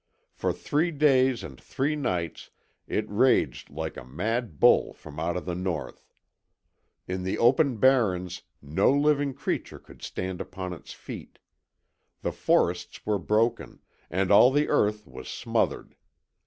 For three days and three nights it raged like a mad bull from out of the north. In the open barrens no living creature could stand upon its feet. The forests were broken, and all the earth was smothered.